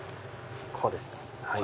こうですね。